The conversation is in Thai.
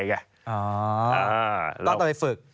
อ๋อต้องไปฝึก